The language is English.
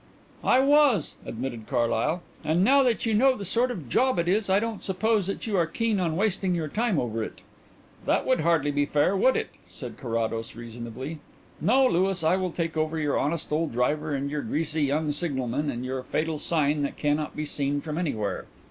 "I was," admitted Carlyle. "And now that you know the sort of job it is I don't suppose that you are keen on wasting your time over it." "That would hardly be fair, would it?" said Carrados reasonably. "No, Louis, I will take over your honest old driver and your greasy young signalman and your fatal signal that cannot be seen from anywhere."